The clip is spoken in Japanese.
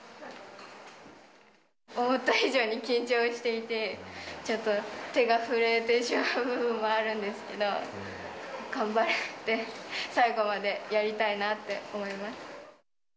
思った以上に緊張していて、ちょっと手が震えてしまう部分もあるんですけど、頑張って、最後までやりたいなって思います。